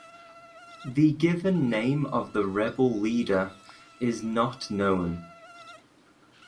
The given name of the rebel leader is not known.